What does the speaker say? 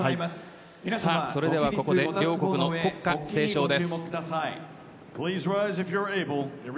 それではここで両国の国歌斉唱です。